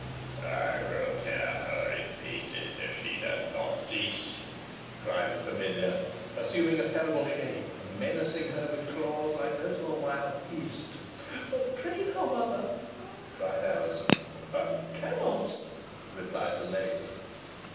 "I will tear her in pieces if she does not cease," cried the familiar, assuming a terrible shape, and menacing her with claws like those of a wild beast. "Pray thou, mother!" cried Alizon. "I cannot," replied the lady.